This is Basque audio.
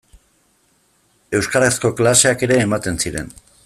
Euskarazko klaseak ere ematen ziren.